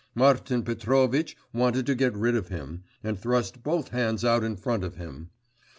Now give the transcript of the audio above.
… Martin Petrovitch wanted to get rid of him, and thrust both hands out in front of him.